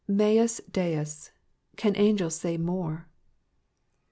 Mens Deus, Can angels say more